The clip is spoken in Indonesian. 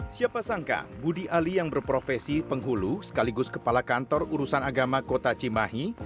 siapa sangka budi ali yang berprofesi penghulu sekaligus kepala kantor urusan agama kota cimahi